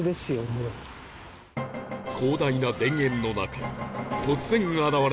広大な田園の中突然現れるそのお店